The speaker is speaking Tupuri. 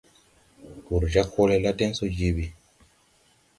Wūr jāg hɔɔle la deŋ so je bi.